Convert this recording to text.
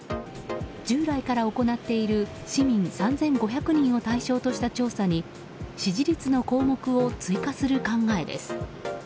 従来から行っている市民３５００人を対象とした調査に支持率の項目を追加する考えです。